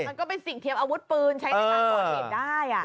มันก็เป็นสิ่งเทียมอาวุธปืนใช้ในการก่อเหตุได้